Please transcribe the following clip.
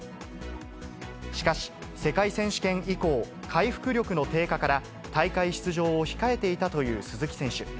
しかし、世界選手権以降、回復力の低下から、大会出場を控えていたという鈴木選手。